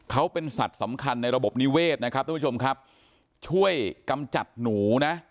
เขาเป็นสัตว์สำคัญในระบบนิเวศนะครับทุกผู้ชมครับช่วยกำจัดหนูนะ